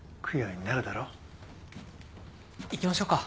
行きましょうか。